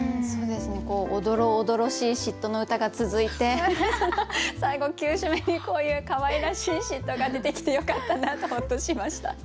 おどろおどろしい嫉妬の歌が続いて最後９首目にこういうかわいらしい嫉妬が出てきてよかったなとホッとしました。